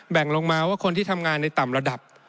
แบ่งลงมาว่าคนที่ทำงานในต่ำระดับ